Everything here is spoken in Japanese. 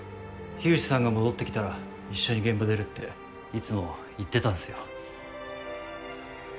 口さんが戻って来たら一緒に現場出るっていつも言ってたんすよ。